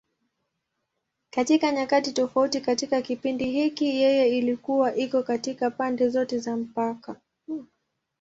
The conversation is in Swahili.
Katika nyakati tofauti katika kipindi hiki, yeye ilikuwa iko katika pande zote za mpaka.